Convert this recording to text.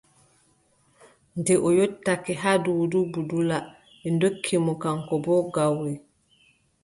Nde yottake haa Duudu Budula, ɓe ndokki mo kaŋko boo gawri.